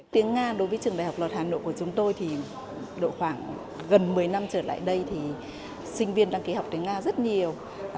tiếng nga đối với trường đại học luật hà nội của chúng tôi thì độ khoảng gần một mươi năm trở lại đây thì sinh viên đăng ký học tiếng nga rất nhiều